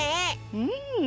うん！